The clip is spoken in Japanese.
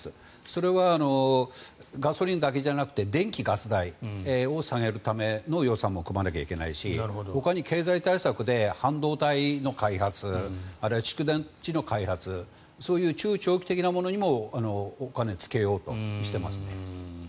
それはガソリンだけじゃなくて電気・ガス代を下げるための予算も組まなきゃいけないしほかに経済対策で半導体の開発あるいは蓄電池の開発そういう中長期的なものにもお金をつけようとしてますね。